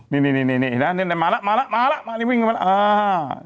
นี่หมาแล้วหมาแล้วหมาแล้วหมาแล้ววิ่งมาแล้ว